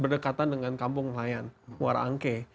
berdekatan dengan kampung nelayan muara angke